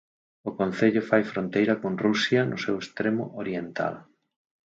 O concello fai fronteira con Rusia no seu extremo oriental.